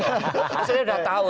saya sudah tahu